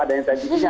ada yang tak ikutnya